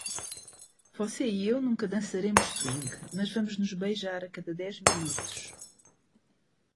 Você e eu nunca dançaremos swing, mas vamos nos beijar a cada dez minutos.